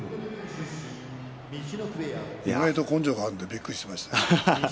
意外と根性があるんでびっくりしました。